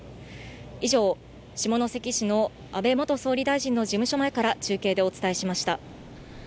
以上、下関市の安倍元総理大臣の事務所前から中継でお伝えしました。